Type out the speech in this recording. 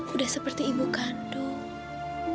udah seperti ibu kandung